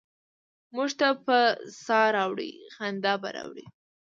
موږ ته به سا ه راوړي، خندا به راوړي؟